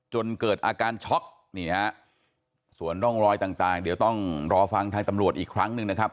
จนเกิดอาการช็อกนี่ฮะส่วนร่องรอยต่างเดี๋ยวต้องรอฟังทางตำรวจอีกครั้งหนึ่งนะครับ